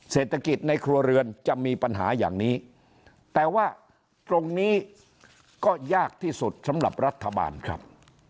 เศรษฐกิจในครัวเรือนจะมีปัญหาอย่างนี้แต่ว่าตรงนี้ก็ยากที่สุดสำหรับรัฐบาลครับ